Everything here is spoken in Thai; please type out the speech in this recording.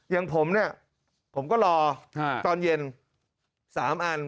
อย่างผมเนี่ยผมก็รอตอนเย็น๓อัน